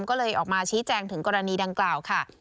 ก็เลยออกมาชี้แจงถึงกรณีดังกล่าวค่ะ